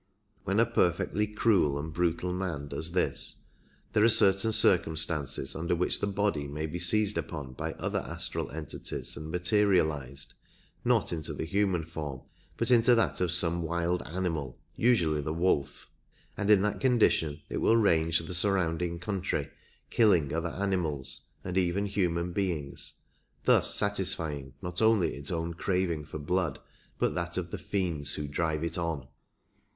When a perfectly cruel and brutal man does this, there are certain circumstances under which the body may be seized upon by other astral entities and materialized, not into the human form, but into that of some wild animal — usually the wolf; and in that condition it will range the surrounding country killing other animals, and even human beings, thus satisfying not only its own craving for blood, but that of the fiends who drive it on.